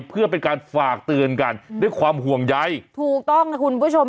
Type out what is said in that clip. เพื่อเป็นการฝากเตือนกันด้วยความห่วงใยถูกต้องนะคุณผู้ชม